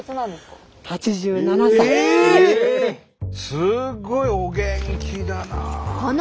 すごいお元気だなあ。